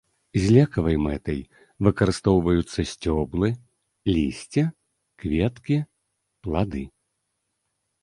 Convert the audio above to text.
З лекавай мэтай выкарыстоўваюцца сцёблы, лісце, кветкі, плады.